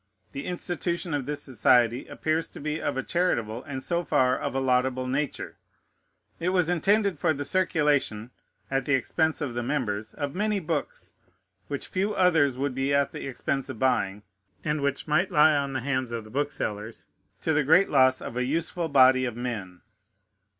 The institution of this society appears to be of a charitable, and so far of a laudable nature: it was intended for the circulation, at the expense of the members, of many books which few others would be at the expense of buying, and which might lie on the hands of the booksellers, to the great loss of an useful body of men.